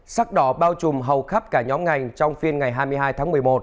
sắc đỏ bao trùm hầu khắp cả nhóm ngành trong phiên ngày hai mươi hai tháng một mươi một